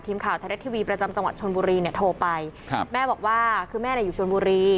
ทีมข่าวทะเลทีวีประจำจังหวัดชนบุรีเนี่ยโทรไปแม่บอกว่าคือแม่อยู่ชนบุรี